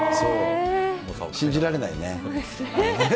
信じられないね。